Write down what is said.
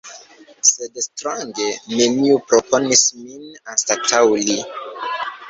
Sed strange: neniu proponis min anstataŭ li!